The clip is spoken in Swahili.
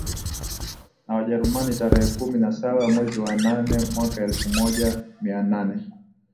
na WajerumaniTarehe kumi na saba mwezi wa nane mwaka elfu moja mia nane